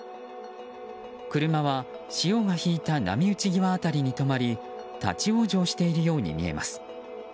車は、潮が引いた波打ち際辺りに止まり立ち往生しているように見えます。